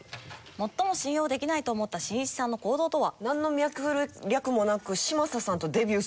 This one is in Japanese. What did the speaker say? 最も信用できないと思ったしんいちさんの行動とは？